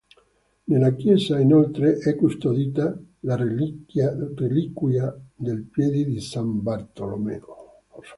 Nella chiesa inoltre è custodita la reliquia del piede di san Bartolomeo.